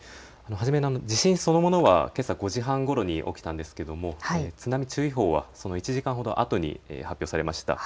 地震そのものはけさ５時半ごろに起きたんですが津波注意報はその１時間ほどあとに発表されました。